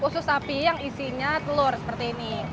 ini adalah usus sapi yang isinya telur seperti ini